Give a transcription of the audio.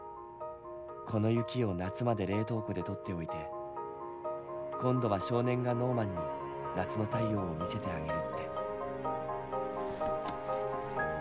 この雪を夏まで冷凍庫で取っておいて今度は少年がノーマンに夏の太陽を見せてあげるって。